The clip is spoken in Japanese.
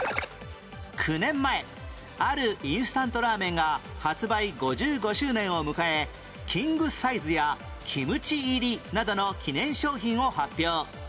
９年前あるインスタントラーメンが発売５５周年を迎えキングサイズやキムチ入りなどの記念商品を発表